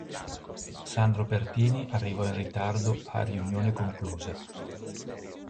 Sandro Pertini arrivò in ritardo a riunione conclusa.